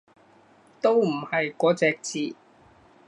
都唔係嗰隻字